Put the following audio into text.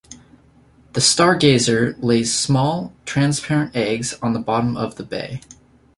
The stargazer lays small, transparent eggs on the bottom of the bay.